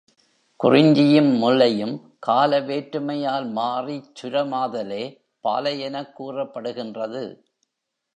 குறிஞ்சியும் முல்லையும் கால வேற்றுமையால் மாறிச் சுரமாதலே பாலையெனக் கூறப்படுகின்றது.